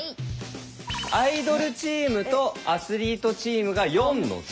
アイドルチームとアスリートチームが４の「象」。